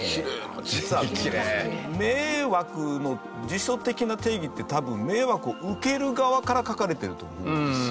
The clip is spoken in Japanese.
実は「迷惑」の辞書的な定義って多分迷惑を受ける側から書かれてると思うんですよ。